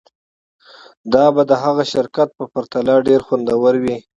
دا به د هغه شرکت په پرتله ډیر خوندور وي